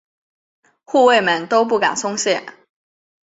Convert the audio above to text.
护卫们都不敢松懈。